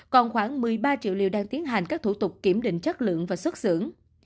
còn khoảng một mươi ba triệu liều đang tiến hành các thủ tục kiểm định chất lượng và xuất xưởng